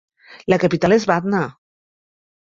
La capital és Batna.